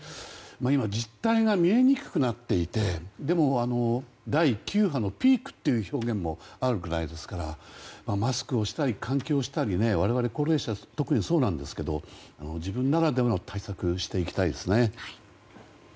今、実態が見えにくくなっていてでも、第９波のピークという表現もあるぐらいですからマスクをしたり換気をしたり我々、高齢者特にそうなんですけど自分ならではの対策をしていきたいですね。